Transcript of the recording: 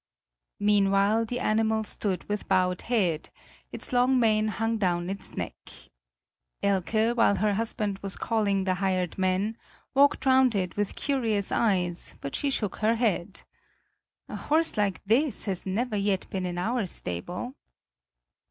Meanwhile the animal stood with bowed head; its long mane hung down its neck. Elke, while her husband was calling the hired men, walked round it with curious eyes; but she shook her head: "A horse like this has never yet been in our stable."